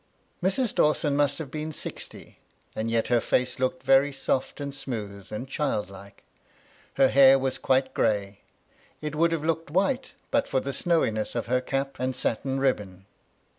Mrs. Dawson must have been sixty ; and yet her &ce looked very soft and smooth and child like. Her hair was quite gray: it would have looked white but for the snowiness of her cap, and satin ribbon.